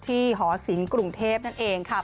หอศิลป์กรุงเทพนั่นเองค่ะ